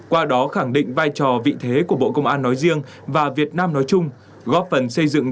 qua đó khẳng định vai trò vị thế của bộ công an nói riêng và việt nam nói chung góp phần xây dựng